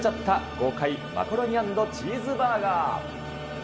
豪快マカロニ＆チーズバーガー。